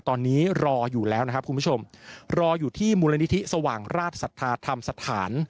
ตอนนี้รออยู่แล้วนะครับคุณผู้ชมรออยู่ที่มูลนิธิสว่างราชศรัทธาธรรมสถาน